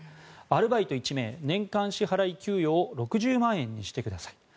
アルバイト１名年間支払い給与を６０万円にしてください。